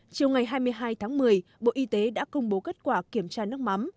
chiều ngày hai mươi hai tháng một mươi bộ y tế đã công bố kết quả kiểm tra nước mắm